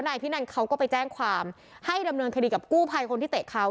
นายพินันเขาก็ไปแจ้งความให้ดำเนินคดีกับกู้ภัยคนที่เตะเขา